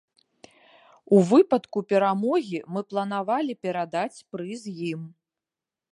У выпадку перамогі мы планавалі перадаць прыз ім.